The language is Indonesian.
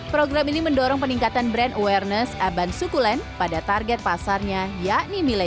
program ini mendorong peningkatan brand awareness aban suku len pada target pasarnya yakni milenial